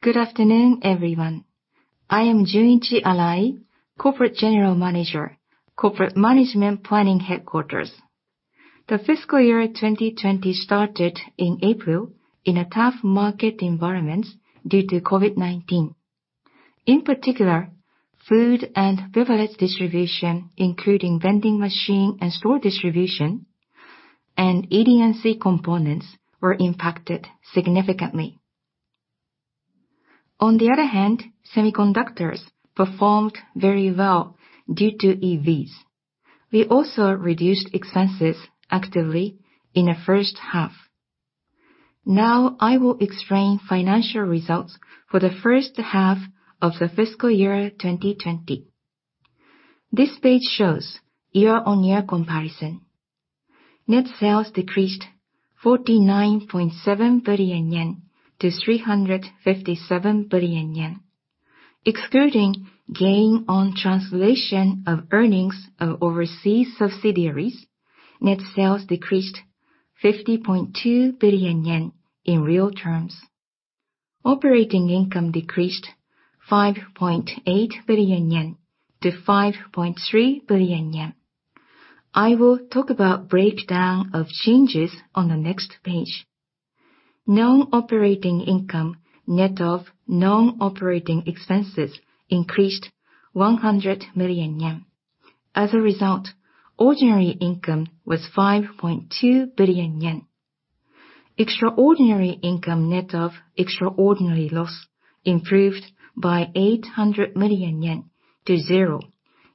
Good afternoon, everyone. I am Junichi Arai, Corporate General Manager, Corporate Management Planning Headquarters. The fiscal year 2020 started in April in a tough market environment due to COVID-19. In particular, food and beverage distribution, including vending machine and store distribution, and ED&C components were impacted significantly. On the other hand, semiconductors performed very well due to EVs. We also reduced expenses actively in the first half. Now, I will explain financial results for the first half of the fiscal year 2020. This page shows year-on-year comparison. Net sales decreased 49.7 billion yen to 357 billion yen. Excluding gain on translation of earnings of overseas subsidiaries, net sales decreased 50.2 billion yen in real terms. Operating income decreased 5.8 billion yen to 5.3 billion yen. I will talk about breakdown of changes on the next page. Non-operating income, net of non-operating expenses, increased 100 million yen. Ordinary income was 5.2 billion yen. Extraordinary income net of extraordinary loss improved by 800 million yen to zero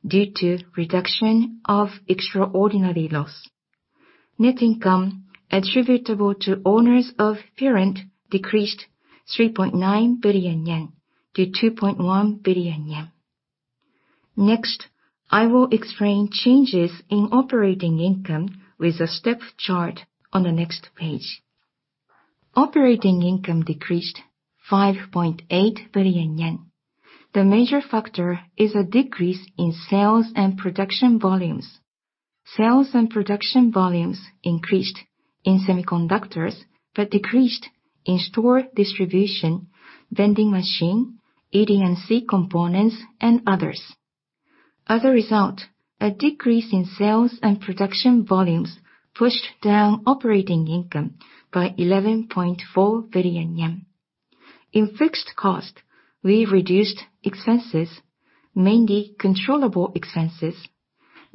due to reduction of extraordinary loss. Net income attributable to owners of parent decreased 3.9 billion yen to 2.1 billion yen. I will explain changes in operating income with a step chart on the next page. Operating income decreased 5.8 billion yen. The major factor is a decrease in sales and production volumes. Sales and production volumes increased in semiconductors, decreased in store distribution, vending machine, ED&C Components, and others. A decrease in sales and production volumes pushed down operating income by 11.4 billion yen. In fixed cost, we reduced expenses, mainly controllable expenses.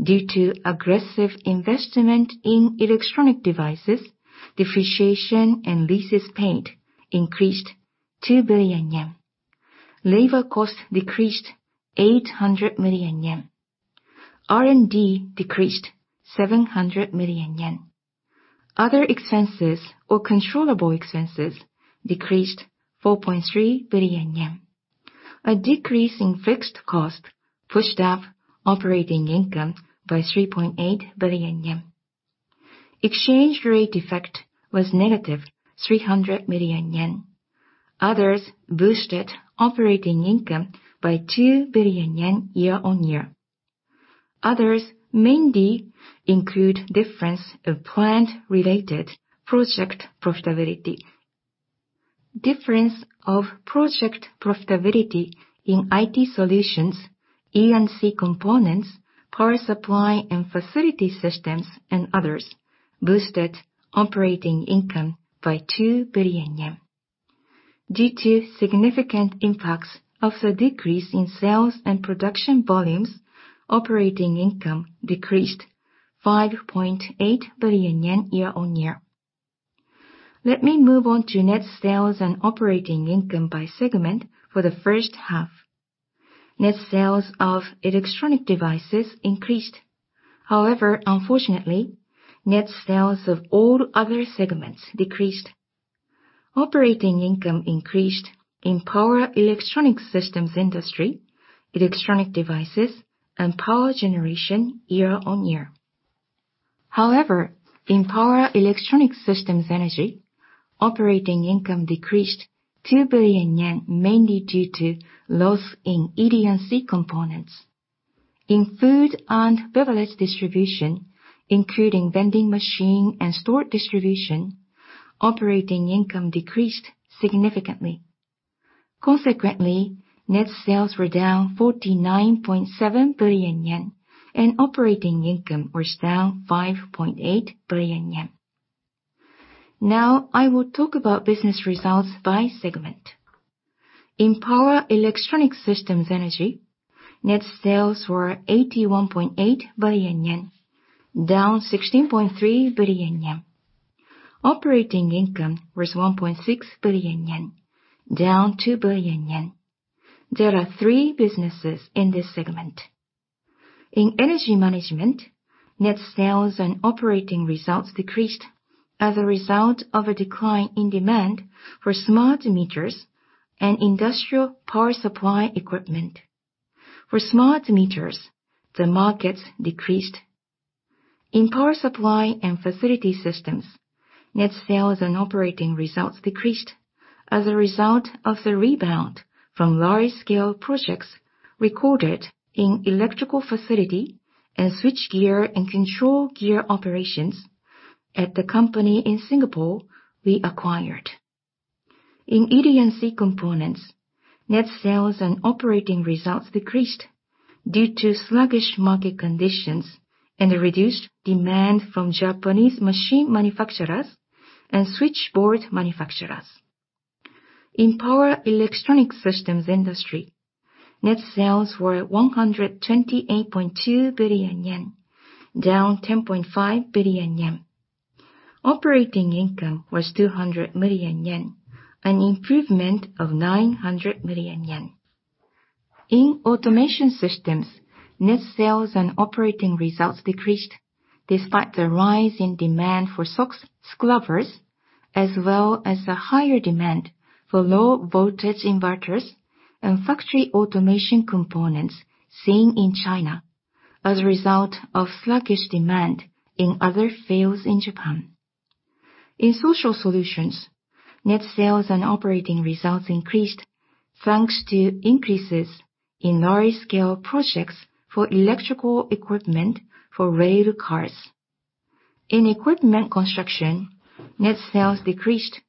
Due to aggressive investment in electronic devices, depreciation and leases paid increased 2 billion yen. Labor cost decreased 800 million yen. R&D decreased 700 million yen. Other expenses or controllable expenses decreased 4.3 billion yen. A decrease in fixed cost pushed up operating income by 3.8 billion yen. Exchange rate effect was negative 300 million yen. Others boosted operating income by 2 billion yen year-on-year. Others mainly include difference of plant-related project profitability. Difference of project profitability in IT solutions, ED&C Components, power supply and facility systems, and others boosted operating income by 2 billion yen. Due to significant impacts of the decrease in sales and production volumes, operating income decreased 5.8 billion yen year-on-year. Let me move on to net sales and operating income by segment for the first half. Net sales of electronic devices increased. Unfortunately, net sales of all other segments decreased. Operating income increased in Power Electronics Systems industry, electronic devices, and Power Generation year-on-year. In Power Electronics, operating income decreased 2 billion yen, mainly due to loss in ED&C Components. In food and beverage distribution, including vending machine and store distribution, operating income decreased significantly. Net sales were down 49.7 billion yen, and operating income was down 5.8 billion yen. I will talk about business results by segment. In Power Electronics, net sales were 81.8 billion yen, down 16.3 billion yen. Operating income was 1.6 billion yen, down 2 billion yen. There are three businesses in this segment. In energy management, net sales and operating results decreased as a result of a decline in demand for smart meters and industrial power supply equipment. For smart meters, the market decreased. In power supply and facility systems, net sales and operating results decreased as a result of the rebound from large scale projects recorded in electrical facility and switchgear and controlgear operations at the company in Singapore, we acquired. In ED&C Components, net sales and operating results decreased due to sluggish market conditions and a reduced demand from Japanese machine manufacturers and switchboard manufacturers. In Power Electronics Systems industry, net sales were 128.2 billion yen, down 10.5 billion yen. Operating income was 200 million yen, an improvement of 900 million yen. In automation systems, net sales and operating results decreased despite the rise in demand for SOx scrubbers, as well as the higher demand for low voltage inverters and factory automation components seen in China as a result of sluggish demand in other fields in Japan. In Social Solutions, net sales and operating results increased, thanks to increases in large scale projects for electrical equipment for rail cars. In equipment construction, net sales decreased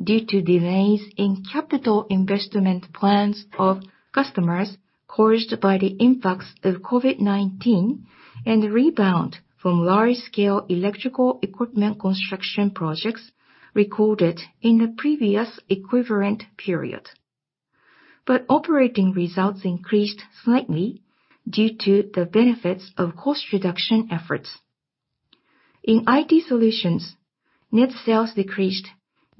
due to delays in capital investment plans of customers caused by the impacts of COVID-19 and rebound from large scale electrical equipment construction projects recorded in the previous equivalent period. Operating results increased slightly due to the benefits of cost reduction efforts. In IT solutions, net sales decreased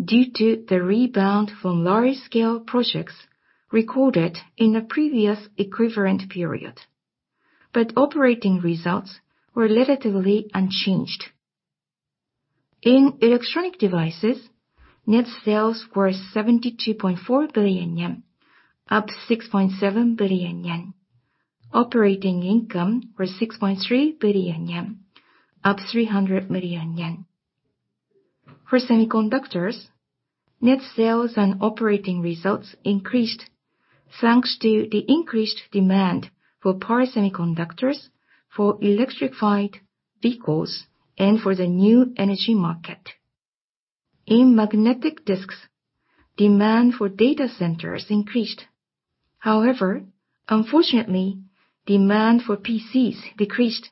due to the rebound from large scale projects recorded in the previous equivalent period. Operating results were relatively unchanged. In electronic devices, net sales were 72.4 billion yen, up 6.7 billion yen. Operating income was 6.3 billion yen, up 300 million yen. For semiconductors, net sales and operating results increased, thanks to the increased demand for power semiconductors, for electrified vehicles, and for the new energy market. In magnetic disks, demand for data centers increased. However, unfortunately, demand for PCs decreased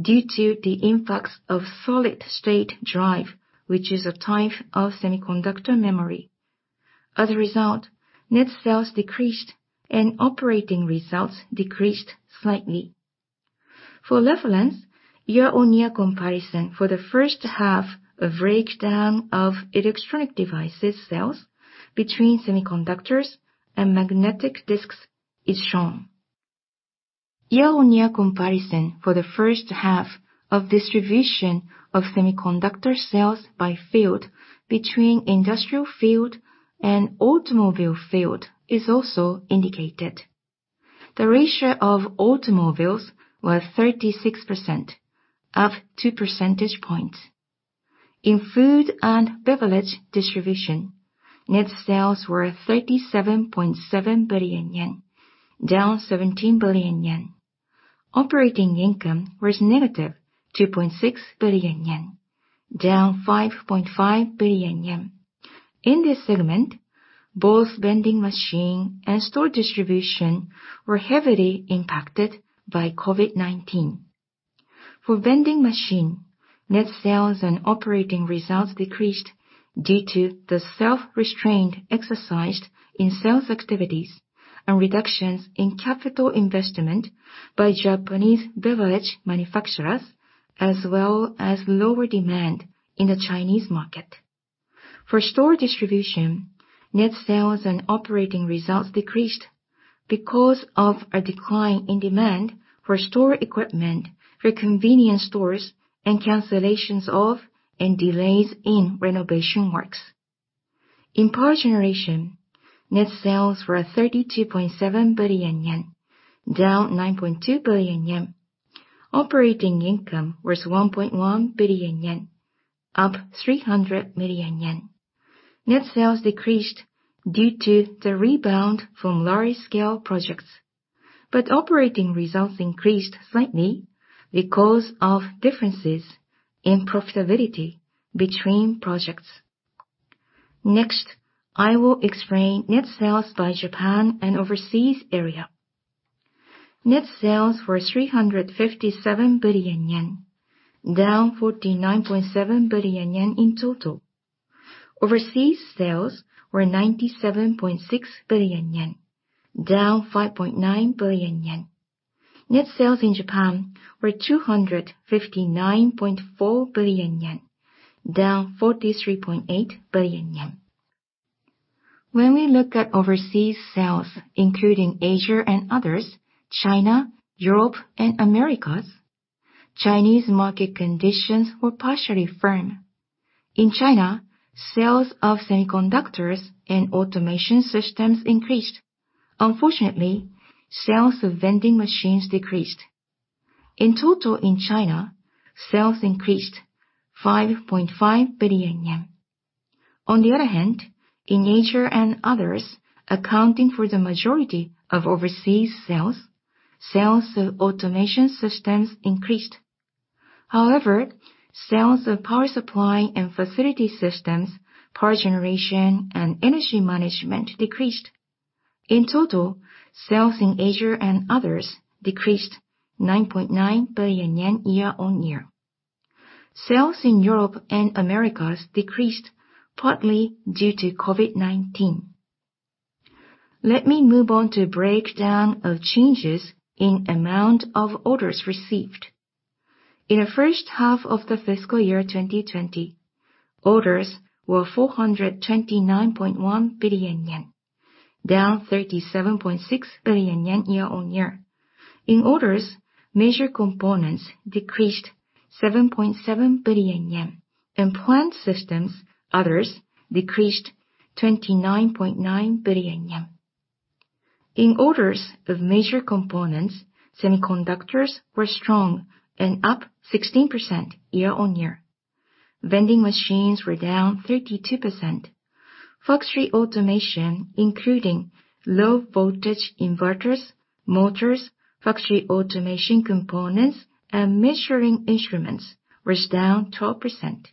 due to the influx of solid-state drive, which is a type of semiconductor memory. As a result, net sales decreased and operating results decreased slightly. For reference, year-on-year comparison for the first half, a breakdown of electronic devices sales between semiconductors and magnetic disks is shown. Year-on-year comparison for the first half of distribution of semiconductor sales by field between industrial field and automobile field is also indicated. The ratio of automobiles was 36%, up two percentage points. In food and beverage distribution, net sales were 37.7 billion yen, down 17 billion yen. Operating income was negative 2.6 billion yen, down 5.5 billion yen. In this segment, both vending machine and store distribution were heavily impacted by COVID-19. For vending machine, net sales and operating results decreased due to the self-restraint exercised in sales activities and reductions in capital investment by Japanese beverage manufacturers, as well as lower demand in the Chinese market. For store distribution, net sales and operating results decreased because of a decline in demand for store equipment for convenience stores and cancellations of and delays in renovation works. In power generation, net sales were 32.7 billion yen, down 9.2 billion yen. Operating income was 1.1 billion yen, up 300 million yen. Net sales decreased due to the rebound from large scale projects, but operating results increased slightly because of differences in profitability between projects. Next, I will explain net sales by Japan and overseas area. Net sales were 357 billion yen, down 49.7 billion yen in total. Overseas sales were 97.6 billion yen, down 5.9 billion yen. Net sales in Japan were 259.4 billion yen, down 43.8 billion yen. When we look at overseas sales, including Asia and others, China, Europe, and Americas, Chinese market conditions were partially firm. In China, sales of semiconductors and automation systems increased. Unfortunately, sales of vending machines decreased. In total in China, sales increased 5.5 billion yen. On the other hand, in Asia and others, accounting for the majority of overseas sales of automation systems increased. Sales of Power Supply and Facility Systems, Power Generation, and Energy Management decreased. In total, sales in Asia and others decreased 9.9 billion yen year on year. Sales in Europe and Americas decreased partly due to COVID-19. Let me move on to a breakdown of changes in amount of orders received. In the first half of the fiscal year 2020, orders were 429.1 billion yen, down 37.6 billion yen year-on-year. In orders, major components decreased 7.7 billion yen and plant systems, others decreased 29.9 billion yen. In orders of major components, semiconductors were strong and up 16% year-on-year. Vending machines were down 32%. Factory automation, including low voltage inverters, motors, factory automation components, and measuring instruments, was down 12%.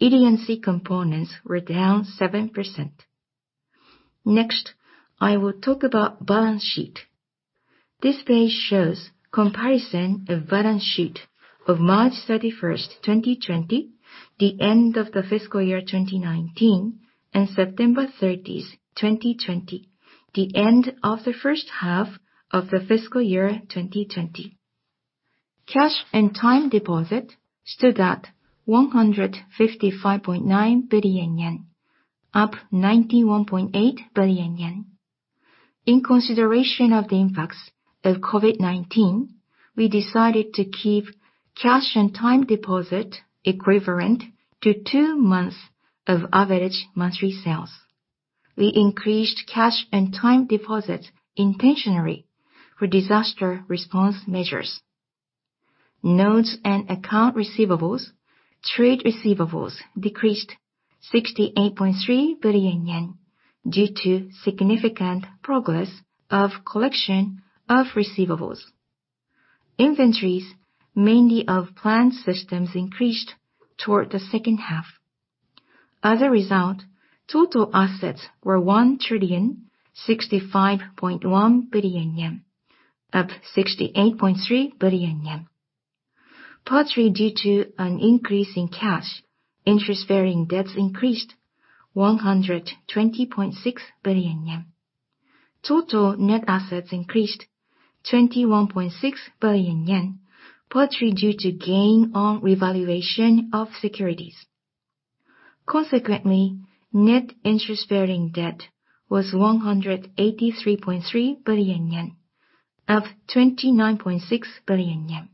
ED&C components were down 7%. Next, I will talk about balance sheet. This page shows comparison of balance sheet of March 31st, 2020, the end of the fiscal year 2019, and September 30th, 2020, the end of the first half of the fiscal year 2020. Cash and time deposit stood at 155.9 billion yen, up 91.8 billion yen. In consideration of the impacts of COVID-19, we decided to keep cash and time deposit equivalent to two months of average monthly sales. We increased cash and time deposits intentionally for disaster response measures. Notes and account receivables, trade receivables decreased 68.3 billion yen due to significant progress of collection of receivables. Inventories, mainly of plant systems, increased toward the second half. As a result, total assets were 1,065.1 billion yen, up 68.3 billion yen. Partly due to an increase in cash, interest-bearing debts increased 120.6 billion yen. Total net assets increased 21.6 billion yen, partly due to gain on revaluation of securities. Consequently, net interest-bearing debt was 183.3 billion yen, up 29.6 billion yen.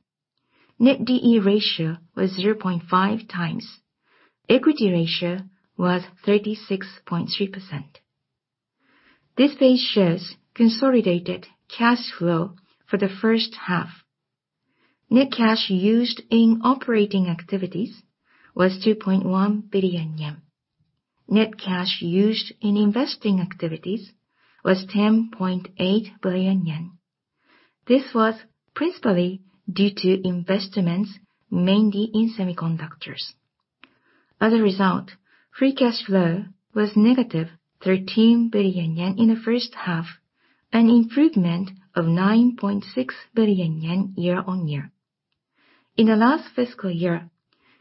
Net D/E ratio was 0.5 times. Equity ratio was 36.3%. This page shows consolidated cash flow for the first half. Net cash used in operating activities was 2.1 billion yen. Net cash used in investing activities was 10.8 billion yen. This was principally due to investments, mainly in semiconductors. As a result, free cash flow was negative 13 billion yen in the first half, an improvement of 9.6 billion yen year-on-year. In the last fiscal year,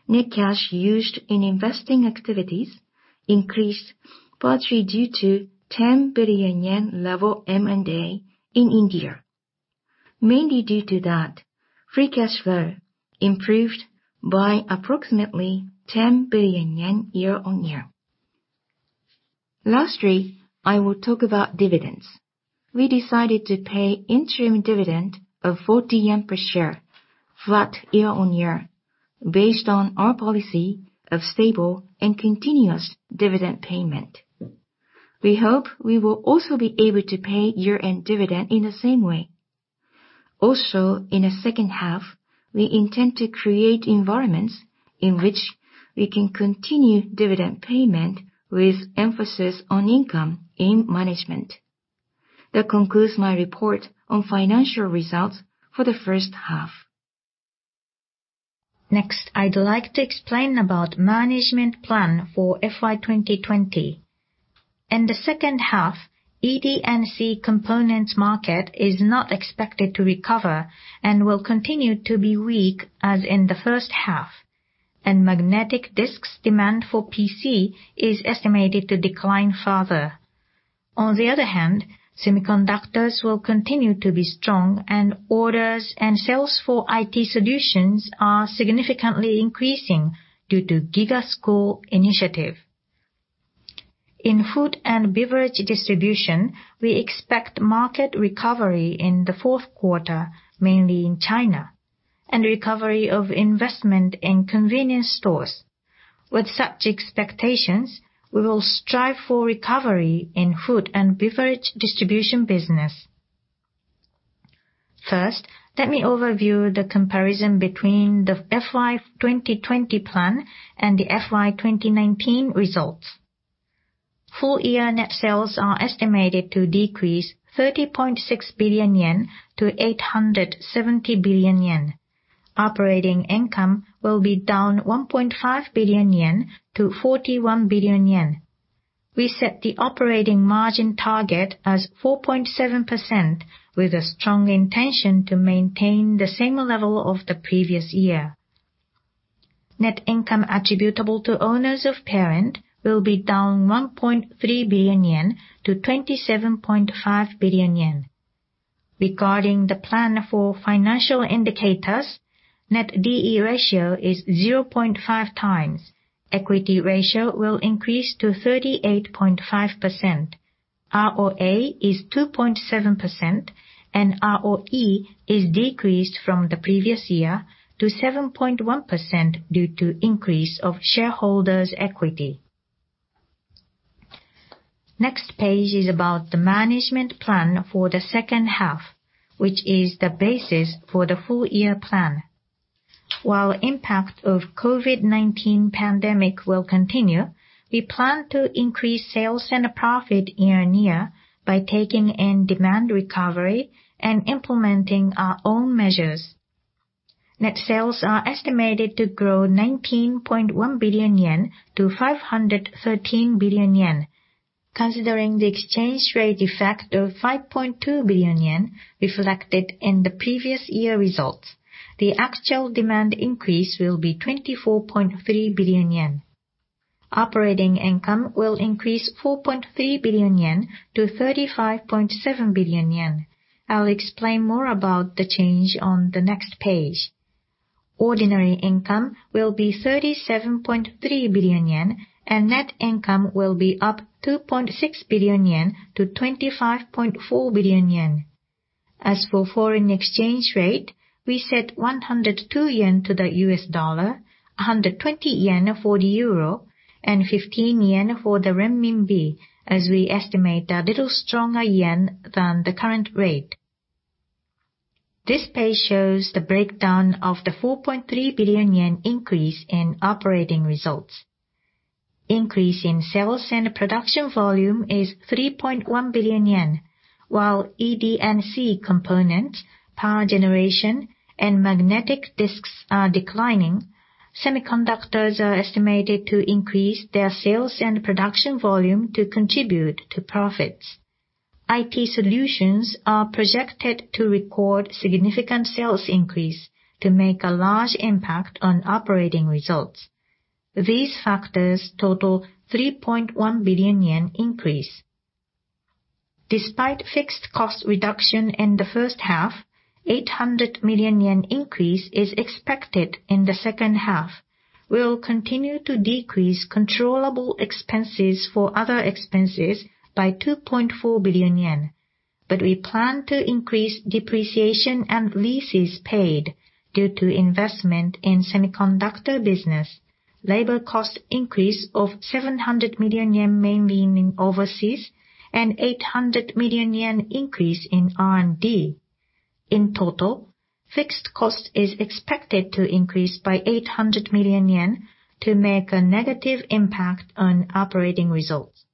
net cash used in investing activities increased partly due to 10 billion yen level M&A in India. Mainly due to that, free cash flow improved by approximately JPY 10 billion year-on-year. Lastly, I will talk about dividends. We decided to pay interim dividend of 40 yen per share, flat year-on-year, based on our policy of stable and continuous dividend payment. We hope we will also be able to pay year-end dividend in the same way. In the second half, we intend to create environments in which we can continue dividend payment with emphasis on income in management. That concludes my report on financial results for the first half. Next, I'd like to explain about management plan for FY 2020. In the second half, ED&C Components market is not expected to recover and will continue to be weak as in the first half, and magnetic disks demand for PC is estimated to decline further. On the other hand, semiconductors will continue to be strong and orders and sales for IT solutions are significantly increasing due to GIGA School initiative. In food and beverage distribution, we expect market recovery in the fourth quarter, mainly in China, and recovery of investment in convenience stores. With such expectations, we will strive for recovery in food and beverage distribution business. First, let me overview the comparison between the FY 2020 plan and the FY 2019 results. Full year net sales are estimated to decrease 30.6 billion yen to 870 billion yen. Operating income will be down 1.5 billion yen to 41 billion yen. We set the operating margin target as 4.7% with a strong intention to maintain the same level of the previous year. Net income attributable to owners of parent will be down 1.3 billion yen to 27.5 billion yen. Regarding the plan for financial indicators, net D/E ratio is 0.5 times. Equity ratio will increase to 38.5%. ROA is 2.7%, and ROE is decreased from the previous year to 7.1% due to increase of shareholders' equity. Next page is about the management plan for the second half, which is the basis for the full year plan. While impact of COVID-19 pandemic will continue, we plan to increase sales and profit year-on-year by taking in demand recovery and implementing our own measures. Net sales are estimated to grow 19.1 billion yen to 513 billion yen. Considering the exchange rate effect of 5.2 billion yen reflected in the previous year results, the actual demand increase will be 24.3 billion yen. Operating income will increase 4.3 billion yen to 35.7 billion yen. I'll explain more about the change on the next page. Ordinary income will be 37.3 billion yen, and net income will be up 2.6 billion yen to 25.4 billion yen. As for foreign exchange rate, we set 102 yen to the US dollar, 120 yen for the euro, and 15 yen for the Chinese Yuan Renminbi, as we estimate a little stronger Japanese Yen than the current rate. This page shows the breakdown of the 4.3 billion yen increase in operating results. Increase in sales and production volume is 3.1 billion yen. While ED&C components, power generation, and magnetic disks are declining, semiconductors are estimated to increase their sales and production volume to contribute to profits. IT solutions are projected to record significant sales increase to make a large impact on operating results. These factors total 3.1 billion yen increase. Despite fixed cost reduction in the first half, 800 million yen increase is expected in the second half. We will continue to decrease controllable expenses for other expenses by 2.4 billion yen. We plan to increase depreciation and leases paid due to investment in semiconductor business, labor cost increase of 700 million yen, mainly in overseas, and 800 million yen increase in R&D. In total, fixed cost is expected to increase by 800 million yen to make a negative impact on operating results.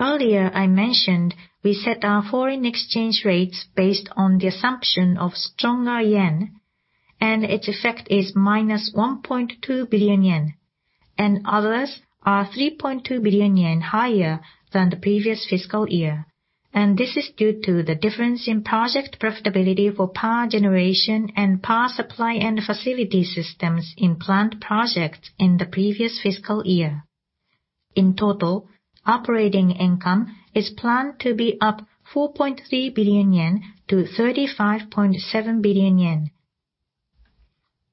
Earlier I mentioned we set our foreign exchange rates based on the assumption of stronger Japanese Yen, and its effect is minus 1.2 billion yen. Others are 3.2 billion yen higher than the previous fiscal year, and this is due to the difference in project profitability for power generation and power supply and facility systems in plant projects in the previous fiscal year. In total, operating income is planned to be up 4.3 billion yen to 35.7 billion yen.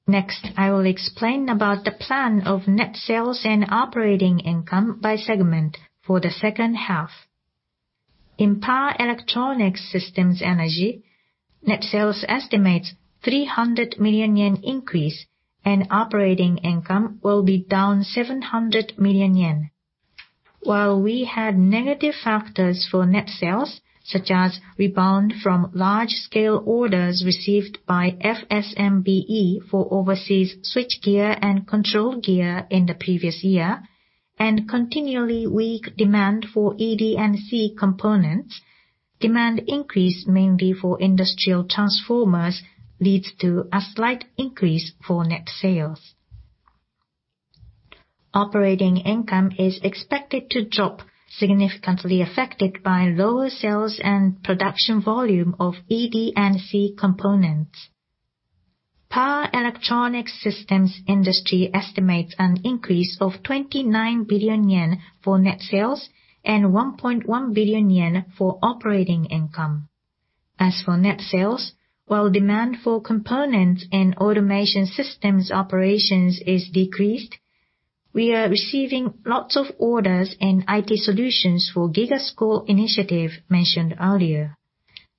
Next, I will explain about the plan of net sales and operating income by segment for the second half. In Power Electronics Systems, net sales estimates 300 million yen increase. Operating income will be down 700 million yen. While we had negative factors for net sales, such as rebound from large-scale orders received by Fuji SMBE for overseas switchgear and control gear in the previous year, and continually weak demand for ED&C components, demand increase mainly for industrial transformers leads to a slight increase for net sales. Operating income is expected to drop, significantly affected by lower sales and production volume of ED&C Components. Power Electronics Systems industry estimates an increase of 29 billion yen for net sales and 1.1 billion yen for operating income. As for net sales, while demand for components and automation systems operations is decreased, we are receiving lots of orders in IT solutions for GIGA School initiative mentioned earlier.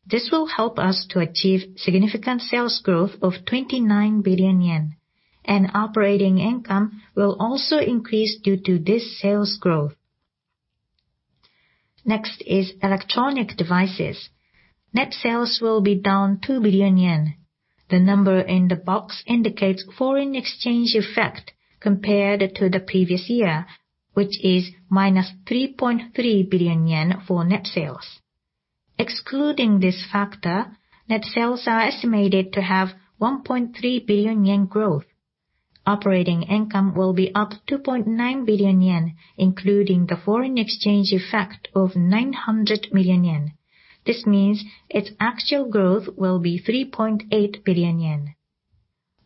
This will help us to achieve significant sales growth of 29 billion yen, and operating income will also increase due to this sales growth. Next is electronic devices. Net sales will be down 2 billion yen. The number in the box indicates foreign exchange effect compared to the previous year, which is -3.3 billion yen for net sales. Excluding this factor, net sales are estimated to have 1.3 billion yen growth. Operating income will be up 2.9 billion yen, including the foreign exchange effect of 900 million yen. This means its actual growth will be 3.8 billion yen.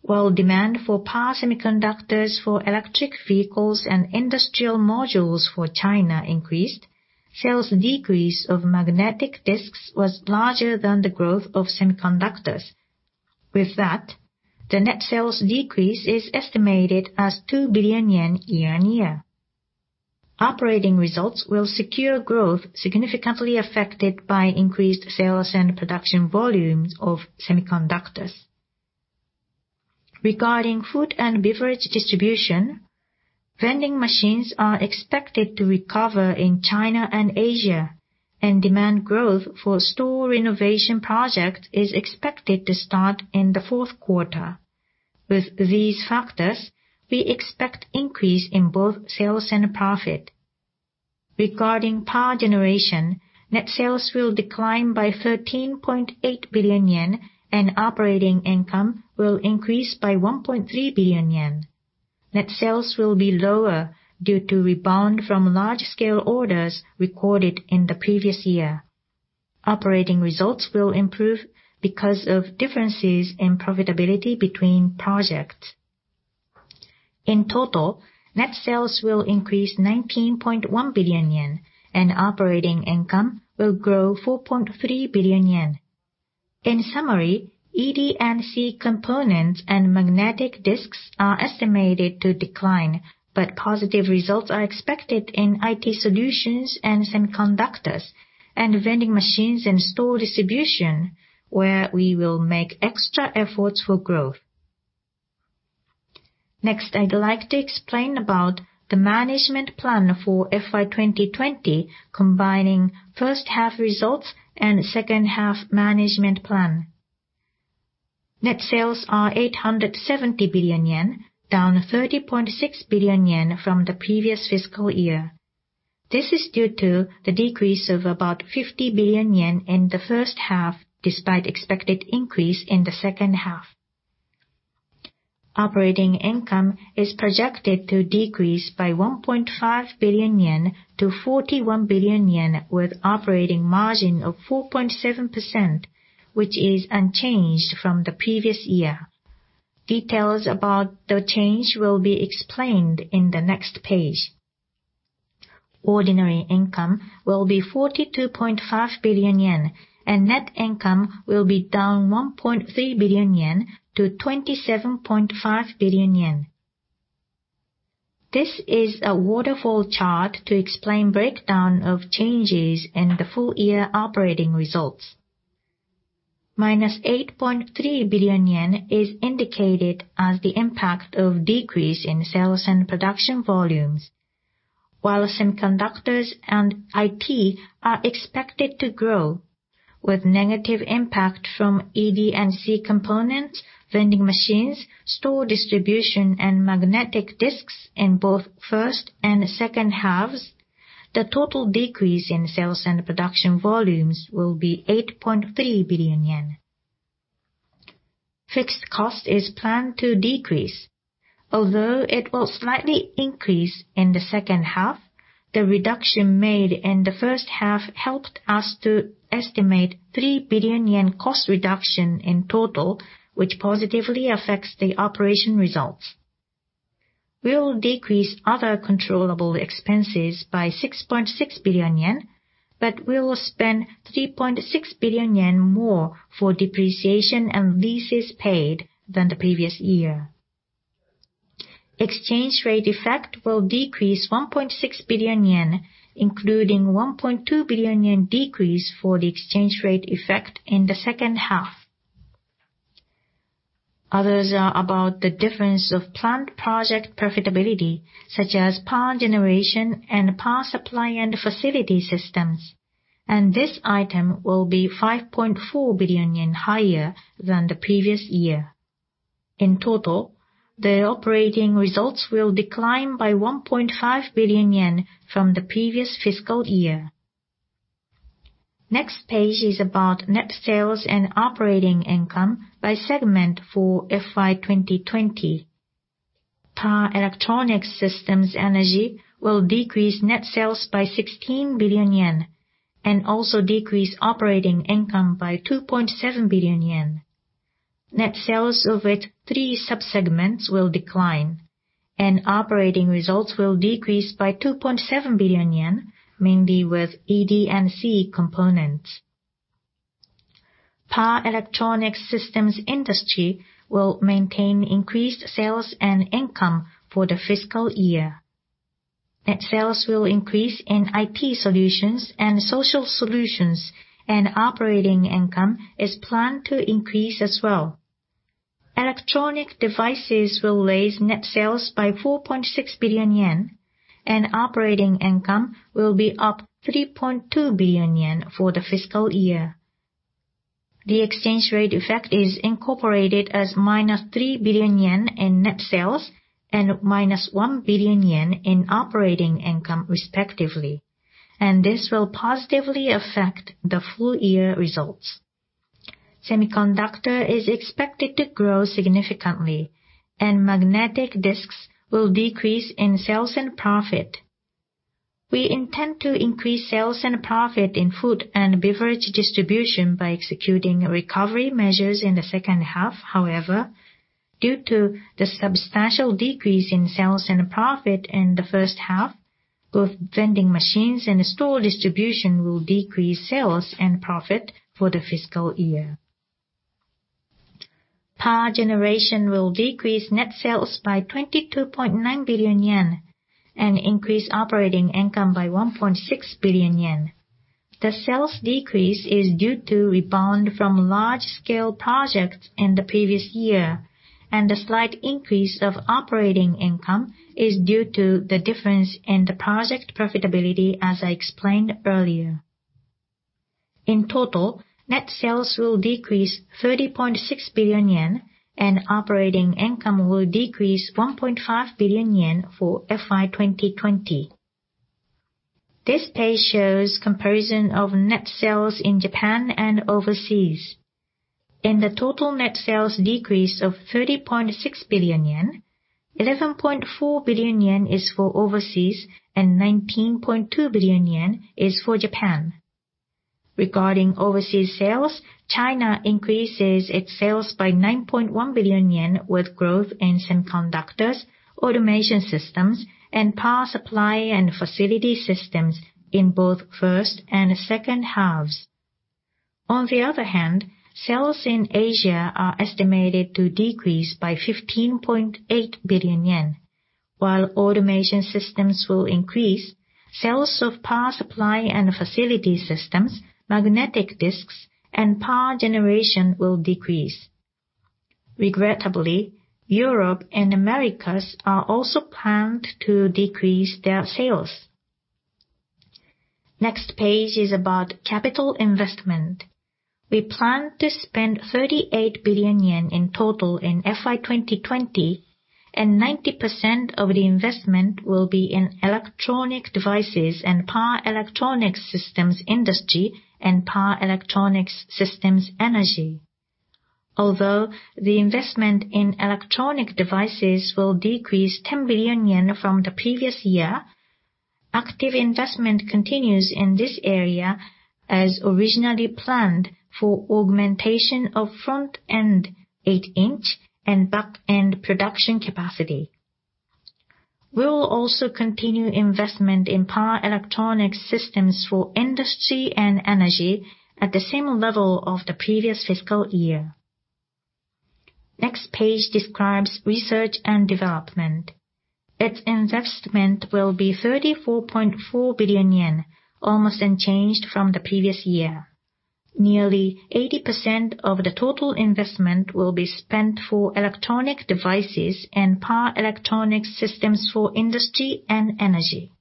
While demand for power semiconductors for electric vehicles and industrial modules for China increased, sales decrease of magnetic disks was larger than the growth of semiconductors. With that, the net sales decrease is estimated as 2 billion yen year-on-year. Operating results will secure growth significantly affected by increased sales and production volumes of semiconductors. Regarding food and beverage distribution, vending machines are expected to recover in China and Asia, and demand growth for store renovation project is expected to start in the fourth quarter. With these factors, we expect increase in both sales and profit. Regarding Power generation, net sales will decline by 13.8 billion yen and operating income will increase by 1.3 billion yen. Net sales will be lower due to rebound from large-scale orders recorded in the previous year. Operating results will improve because of differences in profitability between projects. In total, net sales will increase 19.1 billion yen and operating income will grow 4.3 billion yen. In summary, ED&C Components and magnetic disks are estimated to decline. Positive results are expected in IT solutions and semiconductors, and vending machines and store distribution, where we will make extra efforts for growth. I'd like to explain about the management plan for FY 2020, combining first half results and second half management plan. Net sales are 870 billion yen, down 30.6 billion yen from the previous fiscal year. This is due to the decrease of about 50 billion yen in the first half, despite expected increase in the second half. Operating income is projected to decrease by 1.5 billion yen to 41 billion yen with operating margin of 4.7%, which is unchanged from the previous year. Details about the change will be explained in the next page. Ordinary income will be 42.5 billion yen. Net income will be down 1.3 billion yen to 27.5 billion yen. This is a waterfall chart to explain breakdown of changes in the full year operating results. -8.3 billion yen is indicated as the impact of decrease in sales and production volumes. While semiconductors and IT are expected to grow, with negative impact from ED&C components, vending machines, store distribution, and magnetic disks in both first and second halves, the total decrease in sales and production volumes will be 8.3 billion yen. Fixed cost is planned to decrease. Although it will slightly increase in the second half, the reduction made in the first half helped us to estimate 3 billion yen cost reduction in total, which positively affects the operation results. We will decrease other controllable expenses by 6.6 billion yen, we will spend 3.6 billion yen more for depreciation and leases paid than the previous year. Exchange rate effect will decrease 1.6 billion yen, including 1.2 billion yen decrease for the exchange rate effect in the second half. Others are about the difference of planned project profitability, such as Power Generation and Power Supply and Facility Systems, and this item will be 5.4 billion yen higher than the previous year. In total, the operating results will decline by 1.5 billion yen from the previous fiscal year. Next page is about net sales and operating income by segment for FY 2020. Power Electronics Systems energy will decrease net sales by 16 billion yen and also decrease operating income by 2.7 billion yen. Net sales of its three subsegments will decline, and operating results will decrease by 2.7 billion yen, mainly with ED&C Components. Power Electronics Systems industry will maintain increased sales and income for the fiscal year. Net sales will increase in IT solutions and social solutions, and operating income is planned to increase as well. Electronic devices will raise net sales by 4.6 billion yen, and operating income will be up 3.2 billion yen for the fiscal year. The exchange rate effect is incorporated as -3 billion yen in net sales and -1 billion yen in operating income, respectively. This will positively affect the full year results. Semiconductor is expected to grow significantly and magnetic disks will decrease in sales and profit. We intend to increase sales and profit in food and beverage distribution by executing recovery measures in the second half. However, due to the substantial decrease in sales and profit in the first half, both vending machines and store distribution will decrease sales and profit for the fiscal year. Power Generation will decrease net sales by 22.9 billion yen and increase operating income by 1.6 billion yen. The sales decrease is due to rebound from large-scale projects in the previous year, and the slight increase of operating income is due to the difference in the project profitability, as I explained earlier. In total, net sales will decrease 30.6 billion yen and operating income will decrease 1.5 billion yen for FY 2020. This page shows comparison of net sales in Japan and overseas. In the total net sales decrease of 30.6 billion yen, 11.4 billion yen is for overseas and 19.2 billion yen is for Japan. Regarding overseas sales, China increases its sales by 9.1 billion yen with growth in semiconductors, automation systems, and Power Supply and Facility Systems in both first and second halves. On the other hand, sales in Asia are estimated to decrease by 15.8 billion yen. While automation systems will increase, sales of Power Supply and Facility Systems, magnetic disks, and power generation will decrease. Regrettably, Europe and Americas are also planned to decrease their sales. Next page is about capital investment. We plan to spend 38 billion yen in total in FY 2020. 90% of the investment will be in electronic devices and Power Electronics Systems industry and Power Electronics Systems energy. The investment in electronic devices will decrease 10 billion yen from the previous year, active investment continues in this area as originally planned for augmentation of front-end eight-inch and back-end production capacity. We will also continue investment in Power Electronics Systems for industry and energy at the same level of the previous fiscal year. Next page describes research and development. Its investment will be 34.4 billion yen, almost unchanged from the previous year. Nearly 80% of the total investment will be spent for electronic devices and Power Electronics Systems for industry and energy.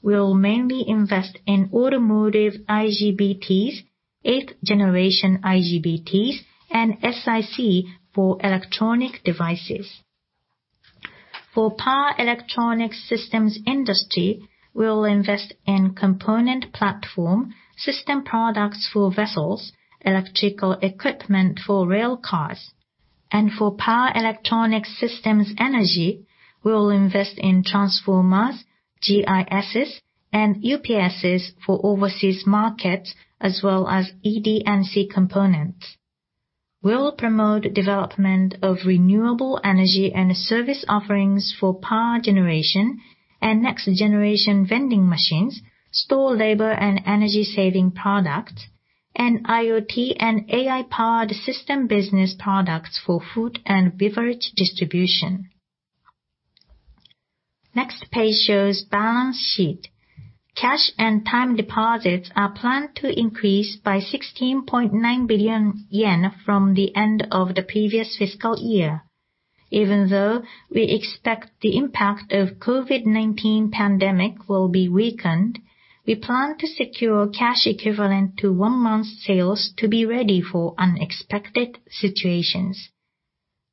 We will mainly invest in automotive IGBTs, eighth generation IGBTs, and SiC for electronic devices. For Power Electronics Systems industry, we will invest in component platform, system products for vessels, electrical equipment for rail cars. For Power Electronics Systems energy, we will invest in transformers, GISs, and UPSs for overseas markets as well as ED&C Components. We will promote development of renewable energy and service offerings for power generation and next generation vending machines, store labor and energy saving products, and IoT and AI-powered system business products for food and beverage distribution. Next page shows balance sheet. Cash and time deposits are planned to increase by 16.9 billion yen from the end of the previous fiscal year. Even though we expect the impact of COVID-19 pandemic will be weakened, we plan to secure cash equivalent to one month's sales to be ready for unexpected situations.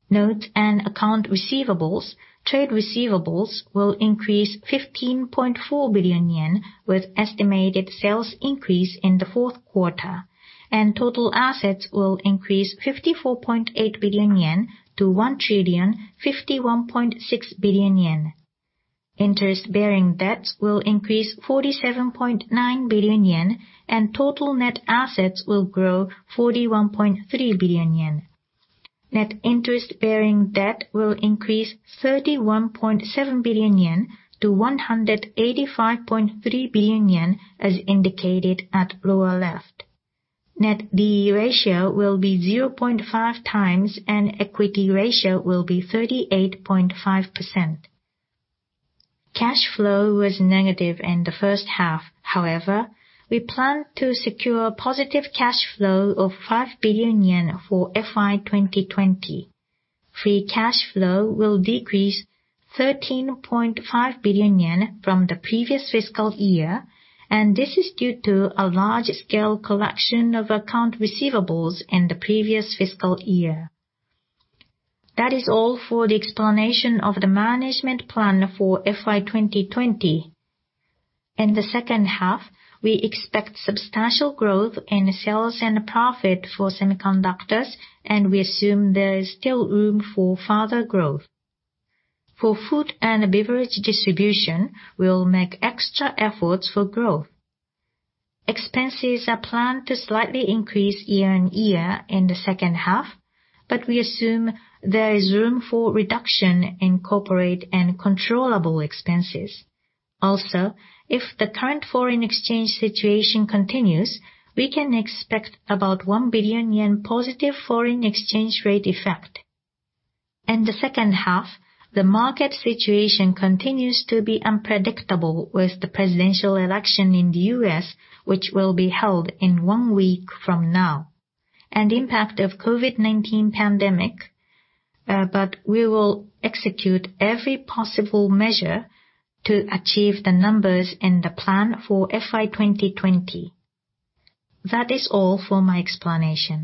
Notes and account receivables, trade receivables will increase 15.4 billion yen with estimated sales increase in the fourth quarter, and total assets will increase 54.8 billion yen to 1,051.6 billion yen. Interest-bearing debts will increase 47.9 billion yen and total net assets will grow 41.3 billion yen. Net interest-bearing debt will increase 31.7 billion yen to 185.3 billion yen as indicated at lower left. Net D/E ratio will be 0.5 times and equity ratio will be 38.5%. Cash flow was negative in the first half. However, we plan to secure positive cash flow of 5 billion yen for FY 2020. Free cash flow will decrease 13.5 billion yen from the previous fiscal year, and this is due to a large-scale collection of account receivables in the previous fiscal year. That is all for the explanation of the management plan for FY 2020. In the second half, we expect substantial growth in sales and profit for semiconductors, and we assume there is still room for further growth. For food and beverage distribution, we will make extra efforts for growth. Expenses are planned to slightly increase year-on-year in the second half, but we assume there is room for reduction in corporate and controllable expenses. Also, if the current foreign exchange situation continues, we can expect about 1 billion yen positive foreign exchange rate effect. In the second half, the market situation continues to be unpredictable with the presidential election in the U.S., which will be held in one week from now. And impact of COVID-19 pandemic, but we will execute every possible measure to achieve the numbers in the plan for FY 2020. That is all for my explanation.